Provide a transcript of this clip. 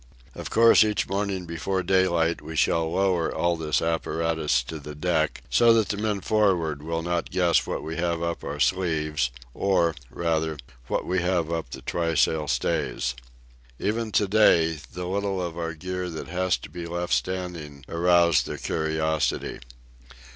Of course each morning before daylight we shall lower all this apparatus to the deck, so that the men for'ard will not guess what we have up our sleeve, or, rather, what we have up on the trysail stays. Even to day the little of our gear that has to be left standing aroused their curiosity.